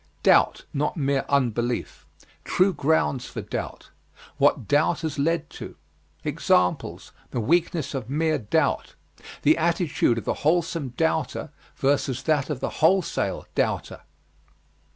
Doubt not mere unbelief. True grounds for doubt. What doubt has led to. Examples. The weakness of mere doubt. The attitude of the wholesome doubter versus that of the wholesale doubter.